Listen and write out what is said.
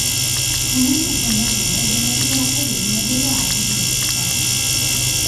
Fu membro fondatore della Libera Accademia delle Arti di Lipsia.